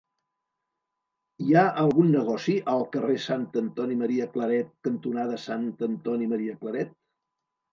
Hi ha algun negoci al carrer Sant Antoni Maria Claret cantonada Sant Antoni Maria Claret?